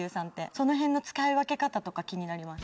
そのへんの使い分け方とか気になります。